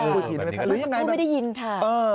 คุณไม่ได้ยินค่ะ